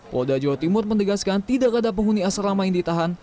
polda jawa timur mendegaskan tidak ada penghuni asrama yang ditahan